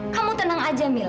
kamu tenang aja mila